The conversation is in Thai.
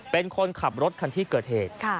เป็นคนขับรถคันที่เกิดเหตุ